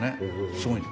すごい。